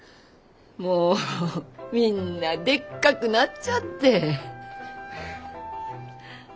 もうみんなでっかくなっちゃって。